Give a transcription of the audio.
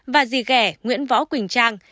và dì ghẻ nguyễn võ quỳnh trang